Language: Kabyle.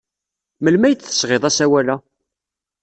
Melmi ay d-tesɣid asawal-a?